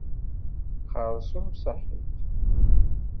Xeṛṣum saḥit.